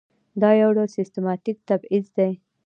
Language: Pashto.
دا یو ډول سیستماتیک تبعیض دی.